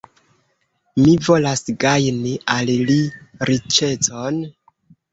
Mi volas gajni al li riĉecon.